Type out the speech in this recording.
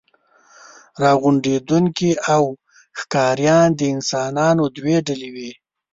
راغونډوونکي او ښکاریان د انسانانو دوې ډلې وې.